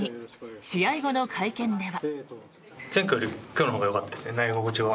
試合後の会見では。